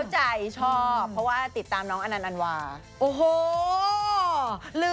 ใช่ชอบเพราะว่าติดตามน้องอันนต์อะนวาร